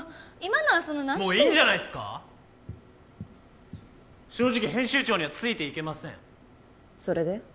今のはそのもういいんじゃないっすか正直編集長にはついていけませんそれで？